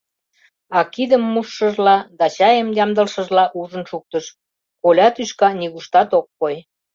А кидым мушшыжла да чайым ямдылышыжла ужын шуктыш: коля тӱшка нигуштат ок кой.